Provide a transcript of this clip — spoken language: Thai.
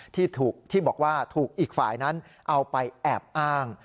ที่บอกว่าถูกอีกฝ่ายนั้นเอาไปแอบอ้าง